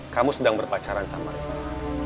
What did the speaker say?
kamu sedang berpacaran sama reza